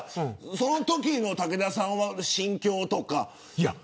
そのときの武田さんの心境とか。